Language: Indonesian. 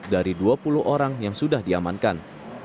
dari dua puluh orang yang sudah diamankan